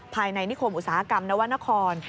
ภายในนิคมอุตสาหกรรมนวตนคลของนวันนคร